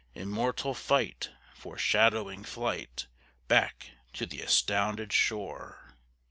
Immortal fight! Foreshadowing flight Back to the astounded shore.